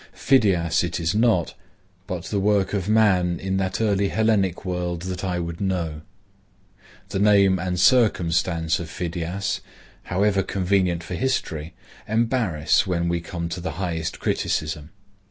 Phidias it is not, but the work of man in that early Hellenic world that I would know. The name and circumstance of Phidias, however convenient for history, embarrass when we come to the highest criticism.